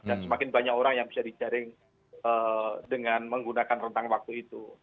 dan semakin banyak orang yang bisa dijaring dengan menggunakan rentang waktu itu